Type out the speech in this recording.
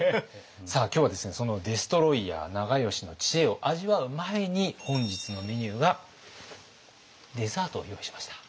さあ今日はですねそのデストロイヤー長慶の知恵を味わう前に本日のメニューがデザートを用意しました。